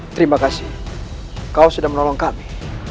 terima kasih kau sudah menolong kami